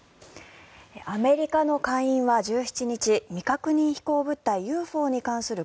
アメリカの下院は１７日未確認飛行物体・ＵＦＯに関する